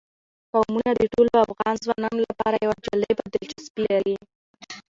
قومونه د ټولو افغان ځوانانو لپاره یوه جالبه دلچسپي لري.